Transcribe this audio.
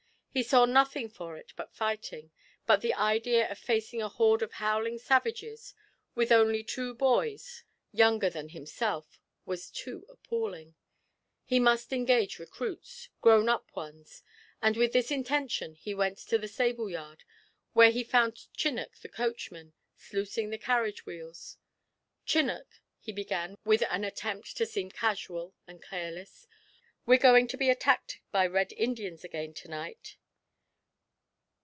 He saw nothing for it but fighting, but the idea of facing a horde of howling savages with only two boys younger than himself was too appalling; he must engage recruits, grown up ones, and with this intention he went to the stable yard, where he found Chinnock, the coachman, sluicing the carriage wheels. 'Chinnock,' he began, with an attempt to seem casual and careless, 'we're going to be attacked by Red Indians again to night.'